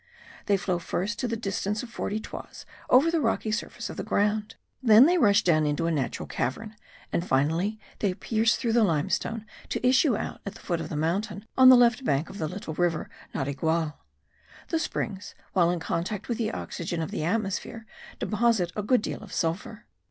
They flow first to the distance of forty toises over the rocky surface of the ground; then they rush down into a natural cavern; and finally they pierce through the limestone to issue out at the foot of the mountain on the left bank of the little river Narigual. The springs, while in contact with the oxygen of the atmosphere, deposit a good deal of sulphur.